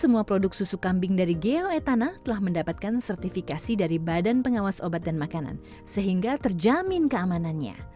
semua produk susu kambing dari geoetana telah mendapatkan sertifikasi dari badan pengawas obat dan makanan sehingga terjamin keamanannya